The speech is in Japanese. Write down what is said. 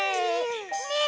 ねえ！